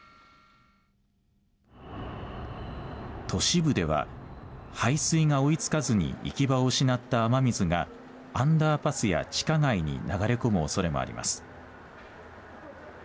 都市部では排水が追いつかずに行き場を失った雨水がアンダーパスや地下街に流れ込むおそれもあります。